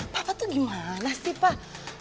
bapak tuh gimana sih pak